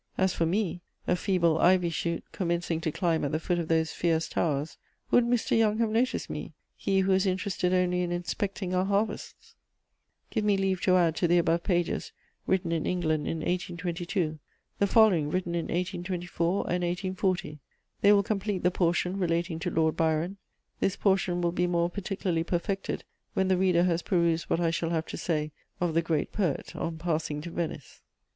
As for me, a feeble ivy shoot commencing to climb at the foot of those fierce towers, would Mr. Young have noticed me, he who was interested only in inspecting our harvests? [Sidenote: Lord Byron.] Give me leave to add to the above pages, written in England in 1822, the following written in 1824 and 1840: they will complete the portion relating to Lord Byron; this portion will be more particularly perfected when the reader has perused what I shall have to say of the great poet on passing to Venice.